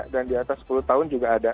dan di atas sepuluh tahun juga ada